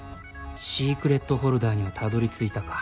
シークレットフォルダにはたどり着いたか